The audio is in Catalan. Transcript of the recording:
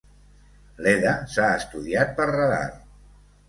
Leda s'ha estudiat per radar.